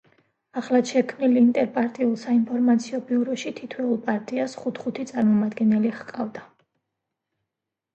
ახლად შექმნილ ინტერპარტიულ საინფორმაციო ბიუროში თითოეულ პარტიას ხუთ-ხუთი წარმომადგენელი ჰყავდა.